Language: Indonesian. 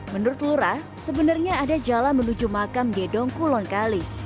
menurut lura sebenarnya ada jalan menuju makam gedong kulonkali